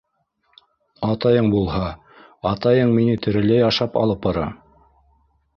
Атайың булһа, атайың мине тереләй ашап алып бара.